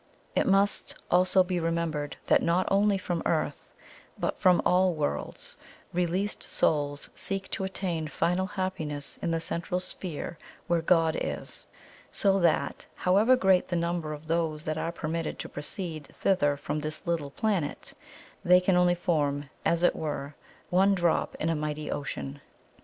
It must also be remembered that not only from Earth, but from ALL WORLDS, released souls seek to attain final happiness in the Central Sphere where God is; so that, however great the number of those that are permitted to proceed thither from this little planet, they can only form, as it were, one drop in a mighty ocean.